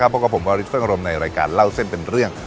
พบกับผมวาริสเฟิ่งอารมณ์ในรายการเล่าเส้นเป็นเรื่อง